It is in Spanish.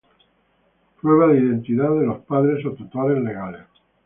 Prueba de identidad de los padres o tutores legales: